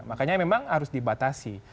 makanya memang harus dibatasi